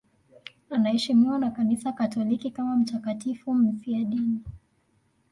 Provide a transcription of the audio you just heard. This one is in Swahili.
Anaheshimiwa na Kanisa Katoliki kama mtakatifu mfiadini.